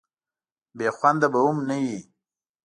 بې خونده به هم نه وي.